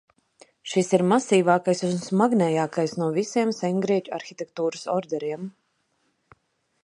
Šis ir masīvākais un smagnējākais no visiem sengrieķu arhitektūras orderiem.